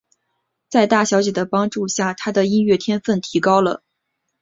在大小姐的帮助下他的音乐天份提高了。